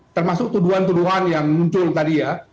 termasuk tuduhan tuduhan yang muncul tadi ya